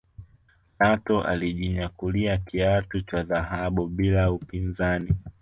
Lato alijinyakulia kiatu cha dhahabu bila upinzani